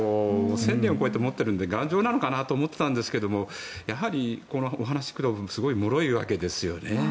１０００年を超えて持っているので頑丈なのかなと思っていたんですがやはりこのお話を聞いていてもすごくもろいわけですよね。